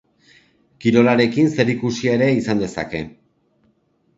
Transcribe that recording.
Kirolarekin zer ikusia ere izan dezakete.